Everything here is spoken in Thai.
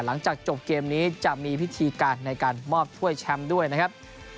หลังจากจบเกมนี้จะมีพิธีการในการมอบถ้วยแชมป์ด้วยนะครับ